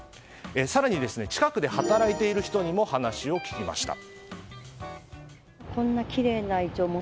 更に、近くで働いている人にも話を聞きました。